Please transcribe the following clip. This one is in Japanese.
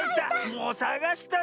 もうさがしたぞ。